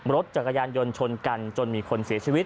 รถจักรยานยนต์ชนกันจนมีคนเสียชีวิต